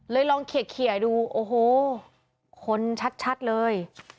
ลองเขียดูโอ้โหคนชัดเลย